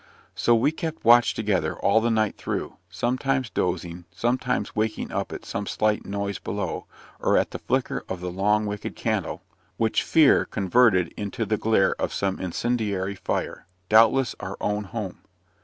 So we kept watch together, all the night through; sometimes dozing, sometimes waking up at some slight noise below, or at the flicker of the long wicked candle, which fear converted into the glare of some incendiary fire doubtless our own home.